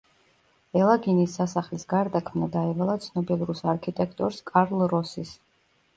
ელაგინის სასახლის გარდაქმნა დაევალა ცნობილ რუს არქიტექტორს კარლ როსის.